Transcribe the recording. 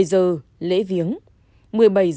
một mươi h lễ viếng